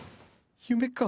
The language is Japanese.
夢か。